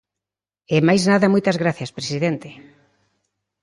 E máis nada e moitas grazas, presidente.